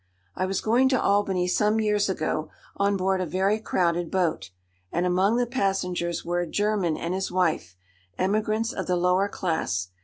I was going to Albany, some years ago, on board a very crowded boat, and among the passengers were a German and his wife, emigrants of the lower class.